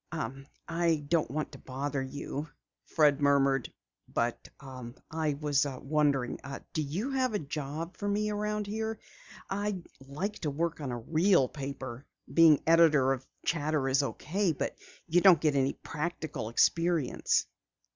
"I don't want to bother you," Fred murmured, "but I was wondering do you have a job for me around here? I'd like to work on a real paper. Being editor of Chatter is okay but you don't get any practical experience."